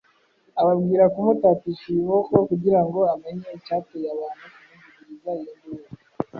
ababwira kumutatisha ibiboko, kugira ngo amenye icyateye abantu ku muvugiriza iyo nduru.